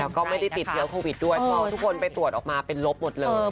ก็ไม่ได้ติดเชื้อโควิดด้วยเพราะทุกคนไปตรวจออกมาเป็นลบหมดเลย